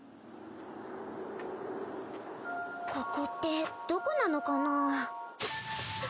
ここってどこなのかな？